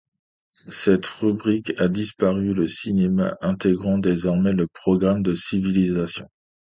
Cette rubrique a disparu, le cinéma intégrant désormais le programme de civilisation.